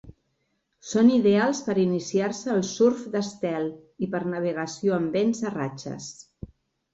Són ideals per a iniciar-se al surf d'estel i per navegació amb vents a ratxes.